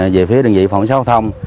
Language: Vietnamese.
về phía đơn vị phòng xã hội thông